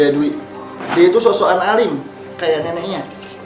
dwi itu sosokan alim kayak neneknya